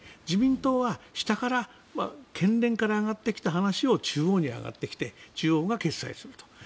自民党は下から県連から上がってきた話を中央に上がってきて中央が決裁すると。